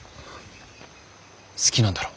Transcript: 好きなんだろ？